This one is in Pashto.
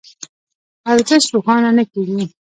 ارزش روښانه نه کېږي.